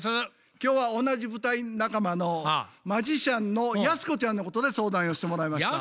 今日は同じ舞台仲間のマジシャンのヤスコちゃんのことで相談寄してもらいました。